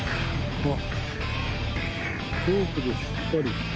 あっ。